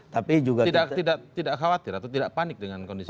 tidak khawatir atau tidak panik dengan kondisi ini